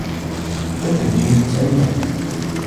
تبدو جين سعيدة.